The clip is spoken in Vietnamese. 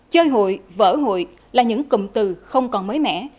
chơi hội vỡ hội là những cụm từ không còn mới mẻ